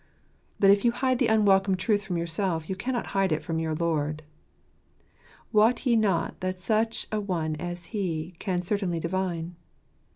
But if you hide the unwelcome truth from yourself, you cannot hide it from your Lord. "Wot ye not that such an one as He can certainly divine?"